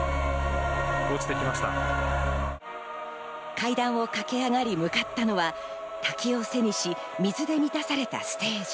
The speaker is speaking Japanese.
階段を駆け上がり向かったのは滝を背にし、水で満たされたステージ。